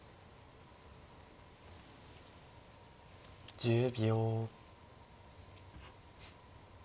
１０秒。